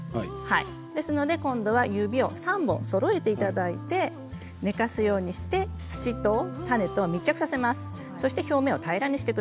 ですので今度は指を３本そろえていただいて寝かすようにして土と種を密着させます。